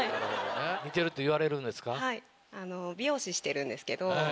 似てるって言われるんですか？